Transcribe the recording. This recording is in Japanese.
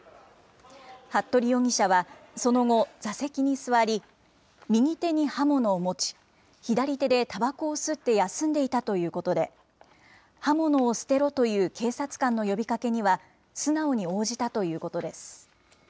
服部容疑者はその後、座席に座り、右手に刃物を持ち、左手でたばこを吸って休んでいたということで、刃物を捨てろという警察官の呼びかけには素直に応じたということです。